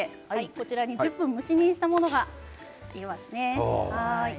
こちらに１０分蒸し煮にしたものがありますね。